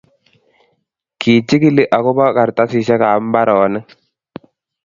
kichikili ako ba kartasishek ab imbaronik